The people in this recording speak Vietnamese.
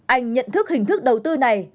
anh nhận thức hình thức đầu tư này